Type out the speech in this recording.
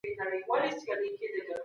ګټوره څېړنه ټولني ته پرمختګ ورکوي.